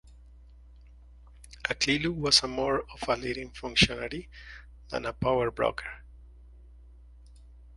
Aklilu was more of a leading functionary than a power-broker.